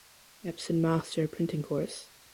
Epson Master Printing Course.